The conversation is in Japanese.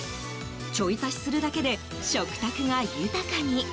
ちょい足しするだけで食卓が豊かに。